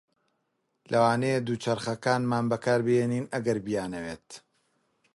لەوانەیە دووچەرخەکانمان بەکاربهێنن ئەگەر بیانەوێت.